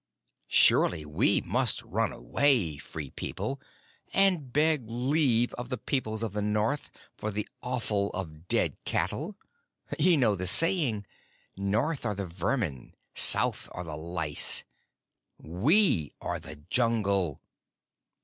Surely we must run away, Free People, and beg leave of the peoples of the north for the offal of dead cattle! Ye know the saying: 'North are the vermin; south are the lice. We are the Jungle.'